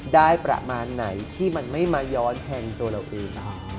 ได้ประมาณไหนที่มันไม่มาย้อนแทงตัวเราเอง